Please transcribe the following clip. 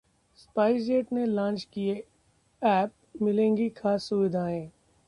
SpiceJet ने launch किया app, मिलेंगी खास सुविधाएं